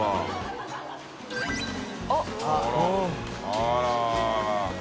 あら。